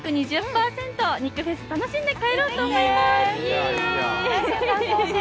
肉フェス楽しんで帰ろうと思います。